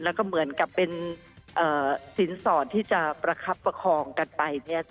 แล้วก็เหมือนกับเป็นสินสอดที่จะประคับประคองกันไป